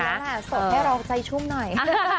ทีแล้วน่ะโสดให้เราใจชุ่มหน่อย